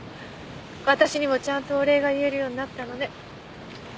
私にもちゃんとお礼が言えるようになったのね。